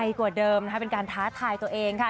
กว่าเดิมนะคะเป็นการท้าทายตัวเองค่ะ